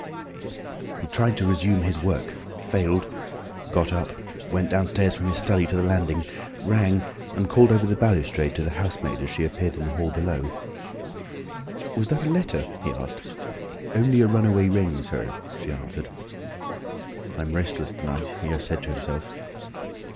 He tried to resume his work, failed, got up, went downstairs from his study to the landing, rang, and called over the balustrade to the housemaid as she appeared in the hall below. "Was that a letter?" he asked. "Only a runaway ring, sir," she answered. "I'm restless to night," he said to himself.